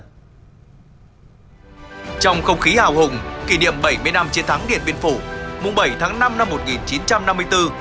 trong không khí hào hùng kỷ niệm bảy mươi năm chiến thắng điện biên phủ